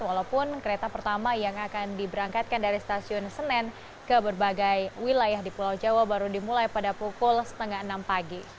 walaupun kereta pertama yang akan diberangkatkan dari stasiun senen ke berbagai wilayah di pulau jawa baru dimulai pada pukul setengah enam pagi